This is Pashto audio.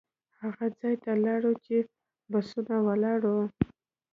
هغه ځای ته لاړو چې بسونه ولاړ وو.